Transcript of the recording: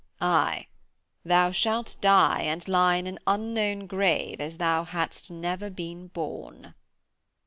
_" Aye, thou shalt die and lie in an unknown grave as thou hadst never been born.'